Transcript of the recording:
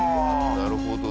なるほど。